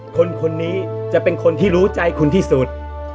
คนนี้จะเป็นคนที่รู้ใจคุณที่สุด